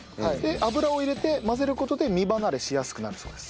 油を入れて混ぜる事で身離れしやすくなるそうです。